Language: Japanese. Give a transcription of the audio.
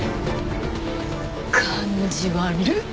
感じ悪っ！